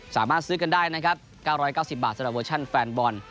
สามารถซื้อกันได้นะครับ๙๙๐บาทสำหรับเวอร์ชันแฟนบอล